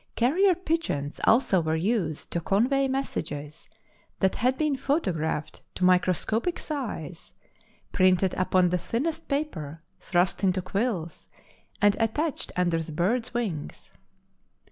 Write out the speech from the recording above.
Carrier pigeons also were used to convey messages that had been photographed to microscopic size, printed upon the thinnest paper, thrust into quills, and attached under the birds' wings.